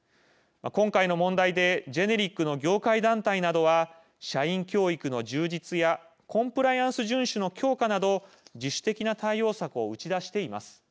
今回の問題でジェネリックの業界団体などは社員教育の充実やコンプライアンス順守の強化など自主的な対応策を打ち出しています。